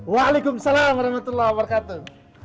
waalaikumsalam warahmatullahi wabarakatuh